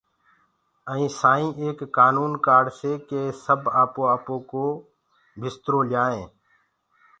ائينٚ سائينٚ ايڪ ڪآنونٚ ڪآڙَسي ڪي سب آپو آپو بِسترو ليآئينٚ